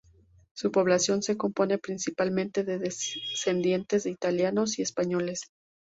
Su población se compone principalmente de descendientes de italianos y españoles.